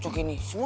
ya udah mi kota